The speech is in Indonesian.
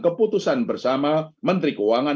keputusan bersama menteri keuangan